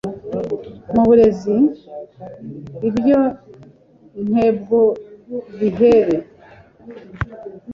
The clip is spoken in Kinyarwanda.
mu burezi ibyo ntebwo bihebe